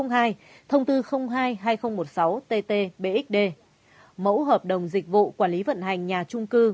thông tư hai hai nghìn một mươi sáu tt bxd mẫu hợp đồng dịch vụ quản lý vận hành nhà trung cư